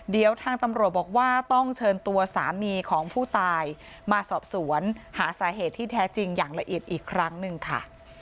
เดี๋ยวทางตำรวจบอกว่าต้องเชิญตัวสามีของผู้ตายมาสอบสวนหาสาเหตุที่แท้จริงอย่างละเอียดอีกครั้งหนึ่งค่ะ